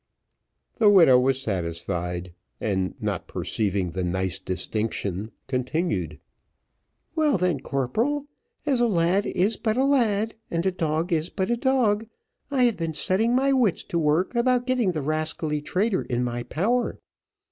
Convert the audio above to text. The widow was satisfied, and not perceiving the nice distinction, continued. "Well, then, corporal, as a lad is but a lad, and a dog is but a dog, I have been setting my wits to work about getting the rascally traitor in my power.